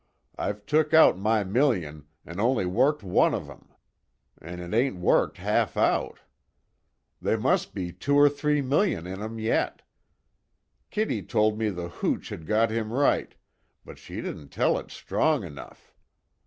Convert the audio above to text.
I've took out my million, an' only worked one of 'em. An' it ain't worked half out. They must be two or three million in 'em yet. Kitty told me the hooch had got him right but she didn't tell it strong enough.